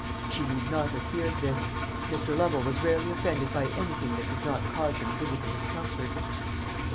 She need not have feared this. Mr. Lovel was rarely offended by anything that did not cause him physical discomfort.